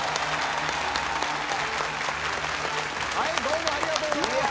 はいどうもありがとうございます！